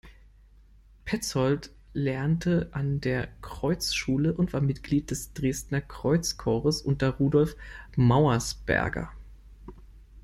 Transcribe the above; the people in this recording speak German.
Petzoldt lernte an der Kreuzschule und war Mitglied des Dresdner Kreuzchores unter Rudolf Mauersberger.